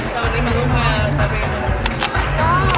สวัสดีโชว์บอลี่เรามาร่วมภากทางเม้ยุ